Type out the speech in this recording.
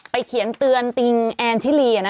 เขียนเตือนติงแอนชิลี